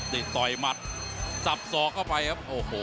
ทรัพย์อย่างมัดทรัพย์ส่อกเข้าไปครับโอ้โห